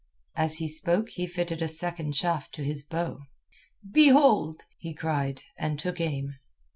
As he spoke he fitted a second shaft to his bow. "Behold!" he cried, and took aim.